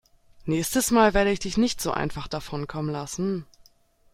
Nächstes Mal werde ich dich nicht so einfach davonkommen lassen.